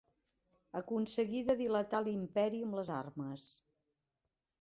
Aconseguí de dilatar l'imperi amb les armes.